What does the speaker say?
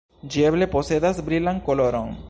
Ĝi eble posedas brilan koloron.